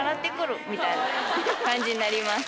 みたいな感じになります。